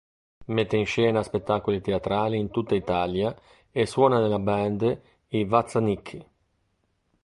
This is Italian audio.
Mette in scena spettacoli teatrali in tutta Italia e suona nella band I VazzaNikki.